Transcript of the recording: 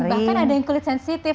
bahkan ada yang kulit sensitif